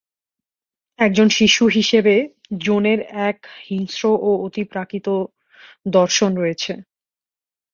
একজন শিশু হিসেবে, জোনের এক হিংস্র ও অতিপ্রাকৃত দর্শন রয়েছে।